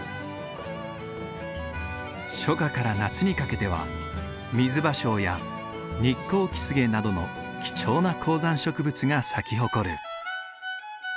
初夏から夏にかけてはミズバショウやニッコウキスゲなどの貴重な高山植物が咲き誇る。